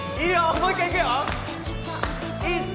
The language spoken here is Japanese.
もう一回いくよ！